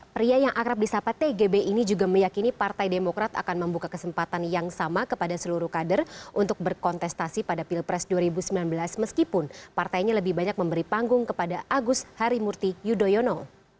pria yang akrab di sapa tgb ini juga meyakini partai demokrat akan membuka kesempatan yang sama kepada seluruh kader untuk berkontestasi pada pilpres dua ribu sembilan belas meskipun partainya lebih banyak memberi panggung kepada agus harimurti yudhoyono